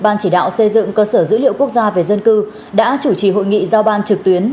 ban chỉ đạo xây dựng cơ sở dữ liệu quốc gia về dân cư đã chủ trì hội nghị giao ban trực tuyến